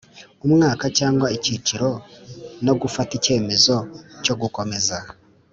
umwaka cyangwa ikiciro no gufata ikemezo cyo gukomeza